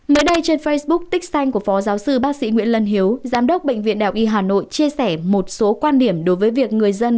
mới đây trên facebook tích xanh của phó giáo sư bác sĩ nguyễn lân hiếu giám đốc bệnh viện đại học y hà nội chia sẻ một số quan điểm đối với việc người dân